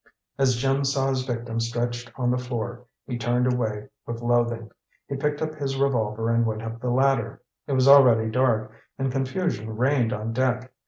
As Jim saw his victim stretched on the floor, he turned away with loathing. He picked up his revolver and went up the ladder. It was already dark, and confusion reigned on deck.